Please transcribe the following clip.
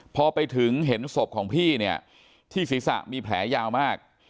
พอไปถึงเห็นศพของพี่เนี่ยที่ศีรษะมีแผลยาวมาก